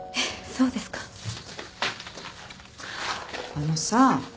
あのさ